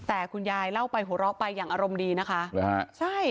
แต่คุณยายเล่าไปหัวเราะไปอย่างอารมณ์ดีนะคะหรือฮะใช่